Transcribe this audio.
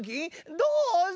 どうぞ。